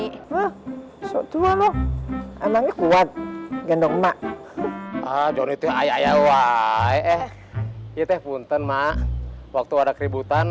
enak jodoh emangnya kuat gendong mak jodoh itu ayo ya wah kita punten mak waktu ada keributan